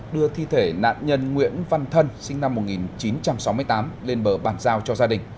đưa thi thể nạn nhân nguyễn văn thân sinh năm một nghìn chín trăm sáu mươi tám lên bờ bàn giao cho gia đình